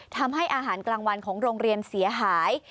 ทำให้อาหารกลางวันของโรงเรียนเสียหาย